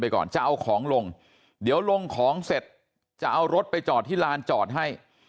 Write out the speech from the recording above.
ก่อนจะเอาของลงเดี๋ยวลงของเสร็จจะเอารถไปจอดที่ลานจอดให้